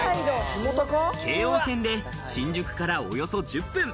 京王線で新宿からおよそ１０分。